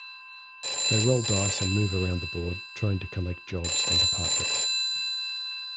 They roll dice and move around the board, trying to collect jobs and apartments.